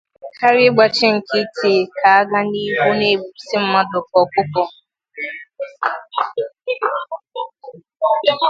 karịa ịgbachị nkịtị ka a gaa n'ihu na-egbusi mmadụ ka ọkụkọ.